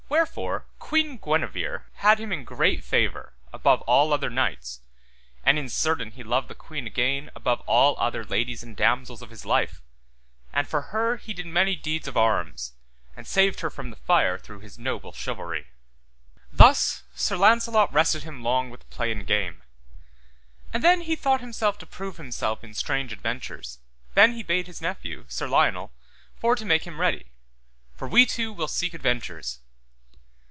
Wherefore Queen Guenever had him in great favour above all other knights, and in certain he loved the queen again above all other ladies and damosels of his life, and for her he did many deeds of arms, and saved her from the fire through his noble chivalry. Thus Sir Launcelot rested him long with play and game. And then he thought himself to prove himself in strange adventures, then he bade his nephew, Sir Lionel, for to make him ready; for we two will seek adventures.